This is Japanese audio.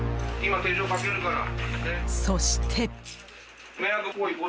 そして。